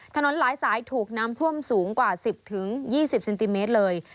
ถนนหลายสายถูกน้ำท่วมสูงกว่า๑๐๒๐เซนติเมตรเลย